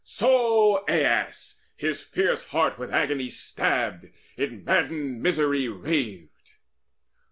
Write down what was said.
So Aias, his fierce heart With agony stabbed, in maddened misery raved.